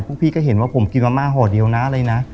พี่ก็เห็นว่าผมกินมะม่าห่อเดียวนะอะไรนะ